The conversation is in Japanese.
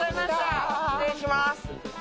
失礼します。